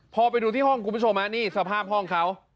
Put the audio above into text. พอไปดูที่ห้องคุณผู้ชมนี่สภาพห้องเขา